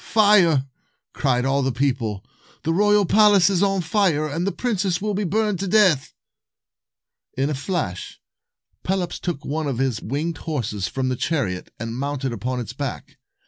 Fire!" cried all the people. "The royal palace is on fire, and the princess will be burned to death." 266 In a flash, Pelops took one of his winged horses from the chariot, and mounted upon its back.